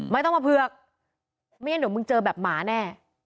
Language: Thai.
ไม่ต้องมาเผือกไม่งั้นเดี๋ยวมึงเจอแบบหมาแน่